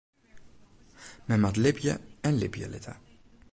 Men moat libje en libje litte.